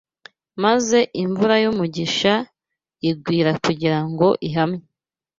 maze imvura y’umugisha igwira kugira ngo ihamye